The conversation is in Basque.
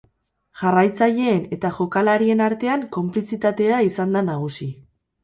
Jarraitzaileen eta jokalarien artean konplizitatea izan da nagusi.